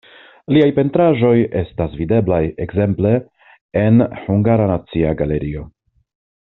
Liaj pentraĵoj estas videblaj ekzemple en Hungara Nacia Galerio.